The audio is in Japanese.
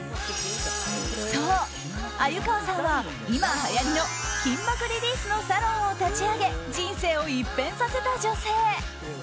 そう、鮎河さんは今、はやりの筋膜リリースのサロンを立ち上げ人生を一変させた女性。